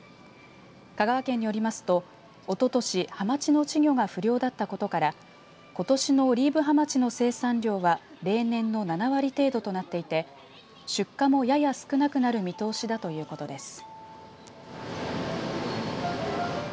香川県によりますと、おととしハマチの稚魚が不漁だったことからことしのオリーブハマチの生産量は例年の７割程度となっていて出荷もやや少なくなる見通しだということです。